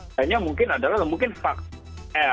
akhirnya mungkin adalah mungkin faktor